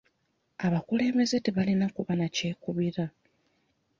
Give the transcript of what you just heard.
Abakulembeze tebalina kuba na kyekubiira.